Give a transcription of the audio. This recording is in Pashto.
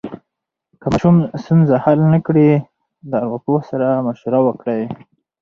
که ماشوم ستونزه حل نه کړي، د ارواپوه سره مشوره وکړئ.